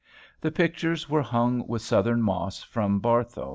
The pictures were hung with Southern moss from Barthow.